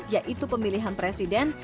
yaitu pemilihan presiden